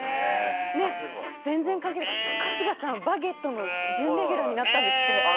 全然関係ないけど春日さん「バゲット」の準レギュラーになったんですって。